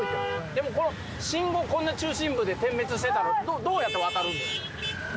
でも、この信号、こんな中心部で点滅してたら、どうやって渡るんですか？